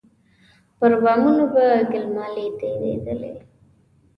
پر بامونو به ګيل مالې تېرېدلې.